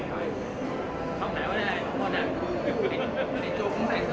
ขอบคุณทุกคนมากครับที่ทุกคนรัก